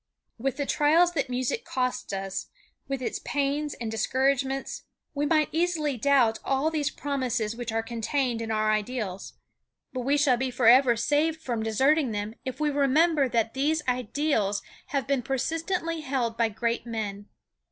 " With the trials that music costs us, with its pains and discouragements, we might easily doubt all these promises which are contained in our ideals, but we shall be forever saved from deserting them if we remember that these ideals have been persistently held by great men.